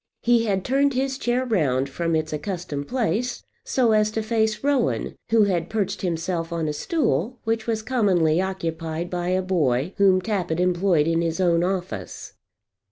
He had turned his chair round from its accustomed place so as to face Rowan, who had perched himself on a stool which was commonly occupied by a boy whom Tappitt employed in his own office.